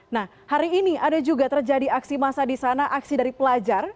nah hari ini ada juga terjadi aksi massa di sana aksi dari pelajar